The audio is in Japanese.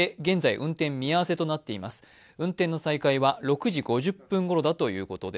運転の再開は６時５０分ごろだということで。